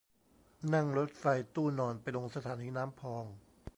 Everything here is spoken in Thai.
นั่งรถไฟตู้นอนไปลงสถานีน้ำพอง